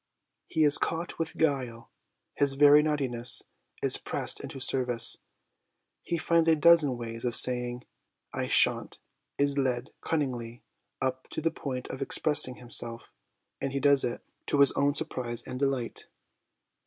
He is caught with guile, his very naughtiness is pressed into service, he finds a dozen ways of saying ' I shan't/ is led cunningly up to the point of expressing himself, and he does it, to his own surprise and delight.